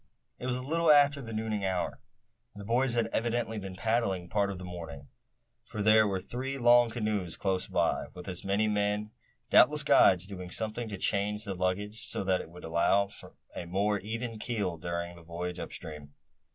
It was a little after the nooning hour. The boys had evidently been paddling part of the morning, for there were three long canoes close by, with as many men, doubtless guides, doing something to change the luggage, so that it would allow of a more even keel during the voyage up stream.